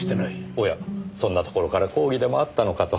おやそんなところから抗議でもあったのかと。